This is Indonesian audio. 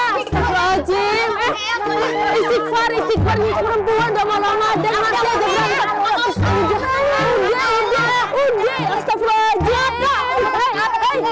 ngajar lu aja lari loh eh siang aja lari loh ya allah maksa bari malah kabur ratam udah udah